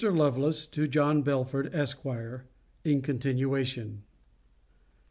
LOVELACE, TO JOHN BELFORD, ESQ. [IN CONTINUATION.